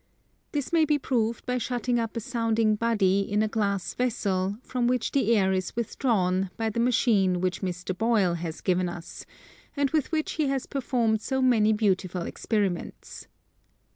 This may be proved by shutting up a sounding body in a glass vessel from which the air is withdrawn by the machine which Mr. Boyle has given us, and with which he has performed so many beautiful experiments.